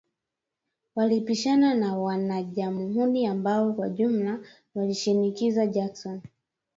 Walipishana na wanajamuhuri ambao kwa ujumla walimshinikiza Jackson